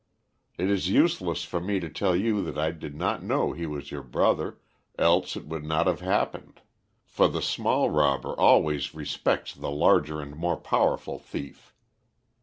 It is useless for me to tell you that I did not know he was your brother, else it would not have happened, for the small robber always respects the larger and more powerful thief.